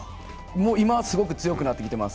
今すごく強くなってきてます。